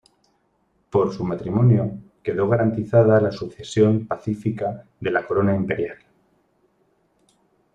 Por su matrimonio, quedó garantizada la sucesión pacífica de la corona imperial.